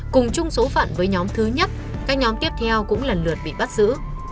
cùng chung số phận với nhóm thứ nhất các nhóm tiếp theo cũng lần lượt bị bắt giữ